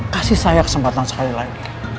kasih saya kesempatan sekali lagi